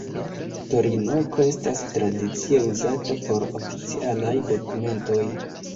Torinoko estas tradicie uzata por oficialaj dokumentoj.